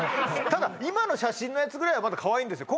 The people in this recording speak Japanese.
ただ今の写真のやつぐらいはまだかわいいんですよ